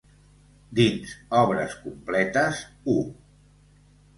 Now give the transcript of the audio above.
Dins Obres completes u.